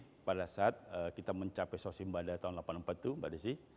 jadi pada saat kita mencapai sosembah tahun seribu sembilan ratus delapan puluh dua mbak desi